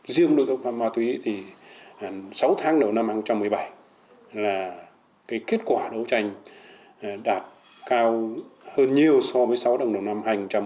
riêng đối tượng phạm ma túy thì sáu tháng đầu năm hai nghìn một mươi bảy là kết quả đấu tranh đạt cao hơn nhiều so với sáu tháng đầu năm hai nghìn một mươi bảy